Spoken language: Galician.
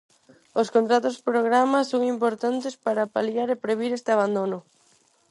Os contratos programa son importantes para paliar e previr este abandono.